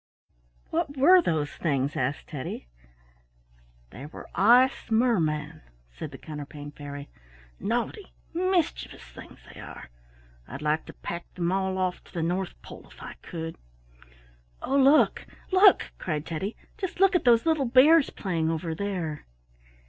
"What were those things?" asked Teddy. "They were ice mermen," said the Counterpane Fairy. "Naughty, mischievous things they are. I'd like to pack them all off to the North Pole if I could." "Oh, look! look!" cried Teddy. "Just look at those little bears playing over there."